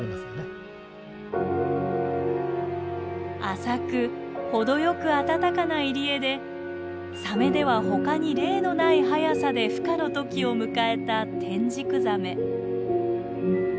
浅く程よくあたたかな入り江でサメでは他に例のない早さでふ化の時を迎えたテンジクザメ。